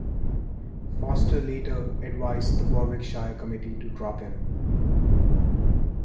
Foster later advised the Warwickshire committee to drop him.